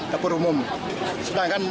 dapur umum sedangkan